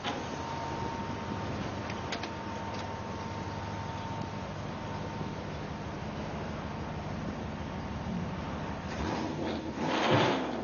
ეკლესიის მისამართი: რუსეთი, როსტოვის ოლქი, კამენის რაიონი, სოფელი ბოგდანოვი, კიროვის ქუჩა.